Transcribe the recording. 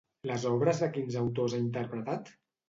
Les obres de quins autors ha interpretat?